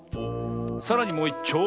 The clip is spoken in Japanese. さらにもういっちょう。